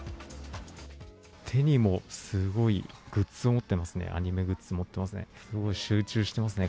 手にもすごいグッズを持ってますね、アニメグッズ持ってますね。